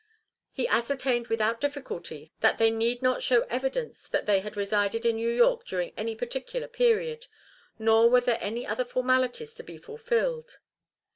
He ascertained without difficulty that they need not show evidence that they had resided in New York during any particular period, nor were there any other formalities to be fulfilled.